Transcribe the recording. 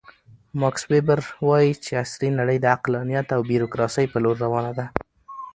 ماکس ویبر وایي چې عصري نړۍ د عقلانیت او بیروکراسۍ په لور روانه ده.